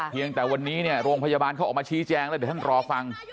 ยังแต่วันนี้เนี่ยโรงพยาบาลเขาออกมาชี้แจงแล้วเดี๋ยวท่านรอฟัง